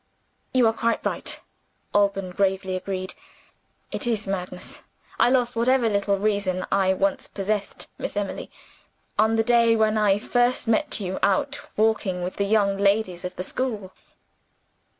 "You are quite right," Alban gravely agreed, "it is madness. I lost whatever little reason I once possessed, Miss Emily, on the day when I first met you out walking with the young ladies of the school."